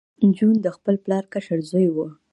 جون د خپل پلار کشر زوی و